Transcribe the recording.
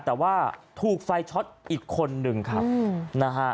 แต่ว่าถูกไฟล์ช็อตอีกคนนึงครับ